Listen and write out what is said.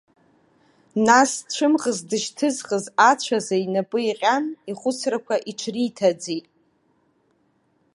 Нас, цәымӷас дышьҭызхыз ацәазы инапы иҟьан, ихәыцрақәа иҽриҭаӡеит.